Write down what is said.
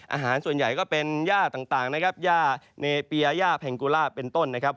อาหารส่วนใหญ่ก็เป็นย่าต่างนะครับย่าเนเปียย่าแพงกูล่าเป็นต้นนะครับ